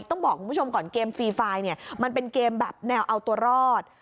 ต้องบอกคุณผู้ชมก่อนเกมฟรีไฟล์เนี่ยมันเป็นเกมแบบแนวเอาตัวรอด